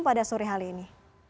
pada sore hari ini